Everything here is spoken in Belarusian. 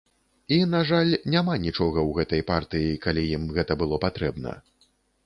І, на жаль, няма нічога ў гэтай партыі, калі ім гэта было патрэбна.